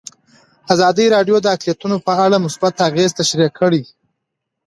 ازادي راډیو د اقلیتونه په اړه مثبت اغېزې تشریح کړي.